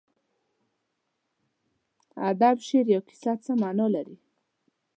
ادب، شعر یا کیسه څه مانا لري.